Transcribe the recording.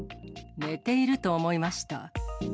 寝ていると思いました。